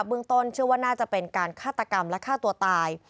เมืองต้นเชื่อว่าน่าจะเป็นการฆาตกรรมและฆ่าตัวตาย